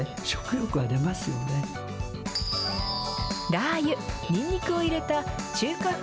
ラー油、ニンニクを入れた中華風